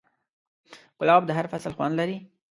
ګلاب د هر فصل خوند لري.